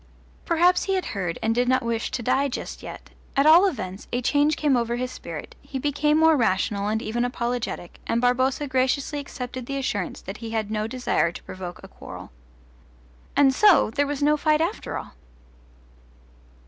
Perhaps he had heard and did not wish to die just yet: at all events a change came over his spirit; he became more rational and even apologetic, and Barboza graciously accepted the assurance that he had no desire to provoke a quarrel. And so there was no fight after all!